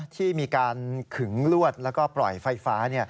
ที่มีการขึงลวดแล้วก็ปล่อยไฟฟ้า